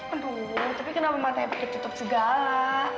aduh tapi kenapa mata yang pake tutup segala